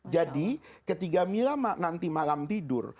jadi ketika mila nanti malam tidur